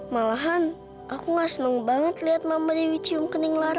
malahan aku nggak seneng banget liat mama dewi cium kening lara